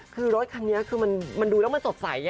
คือรถคันนี้คือมันดูแล้วมันสดใส